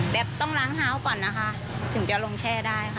แต่ต้องล้างเท้าก่อนนะคะถึงจะลงแช่ได้ค่ะ